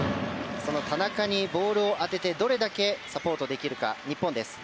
田中にボールを当ててどれだけサポートできるかという日本です。